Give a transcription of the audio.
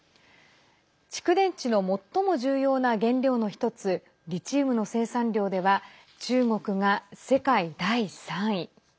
蓄電池の最も重要な原料の１つリチウムの生産量では中国が世界第３位。